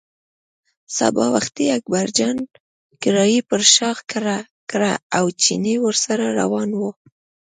سبا وختي اکبرجان کړایی پر شا کړه او چيني ورسره روان و.